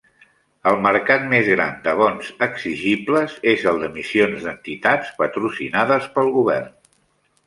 El mercat més gran de bons exigibles és el d'emissions d'entitats patrocinades pel govern.